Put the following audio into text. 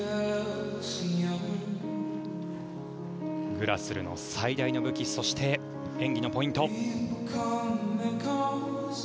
グラスルの最大の武器そして演技のポイント。